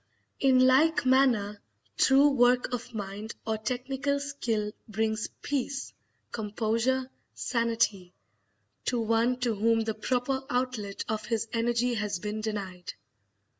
In like manner, true work of mind or technical skill brings peace, composure, sanity, to one to whom the proper outlet of his energy has been denied.